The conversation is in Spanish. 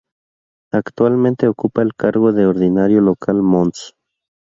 Actualmente ocupa el cargo de ordinario local Mons.